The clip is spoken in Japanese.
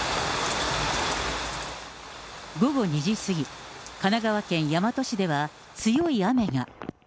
午後２時過ぎ、神奈川県大和市では、強い雨が。